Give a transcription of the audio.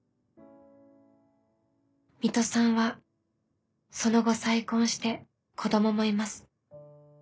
「水戸さんはその後再婚して子供もいます。